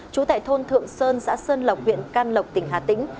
trú tại thôn thượng sơn xã sơn lọc huyện can lọc tỉnh hà tĩnh